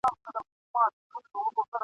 در واري سم ګل اناره چي رانه سې ..